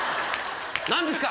何ですか？